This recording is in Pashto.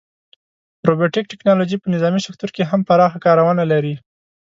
روبوټیک ټیکنالوژي په نظامي سکتور کې هم پراخه کارونه لري.